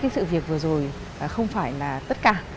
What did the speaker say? sự việc vừa rồi không phải là tất cả